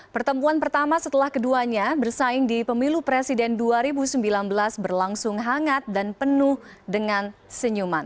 pertemuan pertama setelah keduanya bersaing di pemilu presiden dua ribu sembilan belas berlangsung hangat dan penuh dengan senyuman